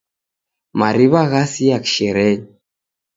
Mariw'a ghasia kisherenyi.